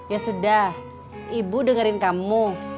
ya sudah ibu dengerin kamu